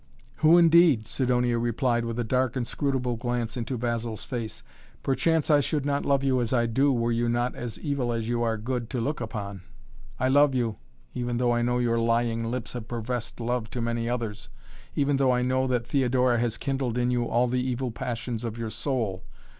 "Who, indeed?" Sidonia replied with a dark, inscrutable glance into Basil's face. "Perchance I should not love you as I do were you not as evil as you are good to look upon! I love you, even though I know your lying lips have professed love to many others, even though I know that Theodora has kindled in you all the evil passions of your soul.